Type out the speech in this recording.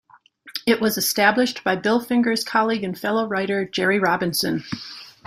It was established by Bill Finger's colleague and fellow writer Jerry Robinson.